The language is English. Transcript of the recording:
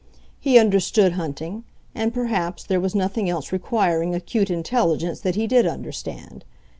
He understood hunting, and, perhaps, there was nothing else requiring acute intelligence that he did understand.